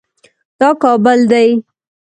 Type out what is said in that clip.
دا کابل دی